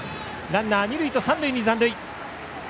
ランナー、二塁と三塁に残塁。